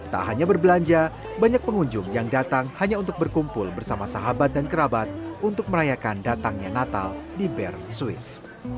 tak hanya berbelanja banyak pengunjung yang datang hanya untuk berkumpul bersama sahabat dan kerabat untuk merayakan datangnya natal di bern swiss